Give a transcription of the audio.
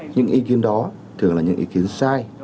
những ý kiến đó thường là những ý kiến sai